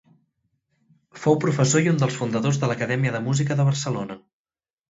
Fou professor i un dels fundadors de l'Acadèmia de Música de Barcelona.